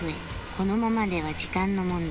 このままでは時間の問題